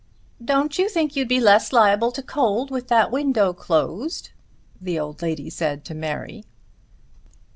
"Don't you think you'd be less liable to cold with that window closed?" the old lady said to Mary.